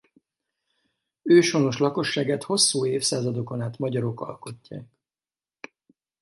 Őshonos lakosságát hosszú évszázadokon át magyarok alkotják.